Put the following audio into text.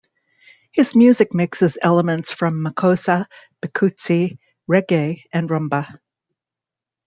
His music mixes elements from makossa, bikutsi, reggae and rumba.